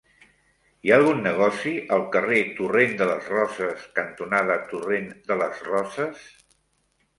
Hi ha algun negoci al carrer Torrent de les Roses cantonada Torrent de les Roses?